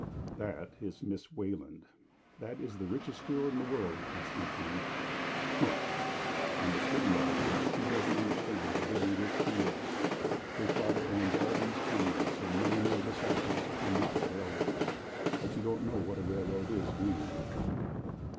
"That is Miss Wayland. That is the richest girl in the world, Constantine." "Humph!" "And the pity of it is, she doesn't understand how very rich she is. Her father owns all these canneries and many more besides, and lots of railroads but you don't know what a railroad is, do you?"